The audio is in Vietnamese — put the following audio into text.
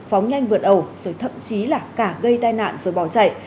phóng nhanh vượt ẩu rồi thậm chí là cả gây tai nạn rồi bỏ chạy